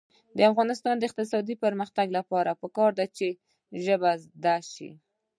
د افغانستان د اقتصادي پرمختګ لپاره پکار ده چې ژبې زده شي.